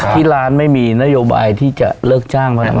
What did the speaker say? ที่ร้านไม่มีนโยบายที่จะเลิกจ้างพนักงาน